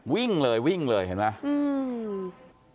วิ่งเลยวิ่งเลยเห็นมั้ยอืม